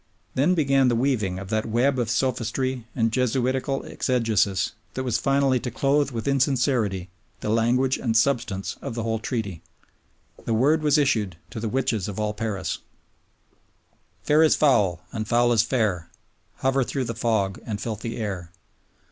Then began the weaving of that web of sophistry and Jesuitical exegesis that was finally to clothe with insincerity the language and substance of the whole Treaty. The word was issued to the witches of all Paris: Fair is foul, and foul is fair, Hover through the fog and filthy air.